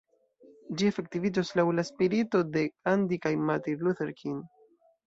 Ĝi efektiviĝos laŭ la spirito de Gandhi kaj Martin Luther King.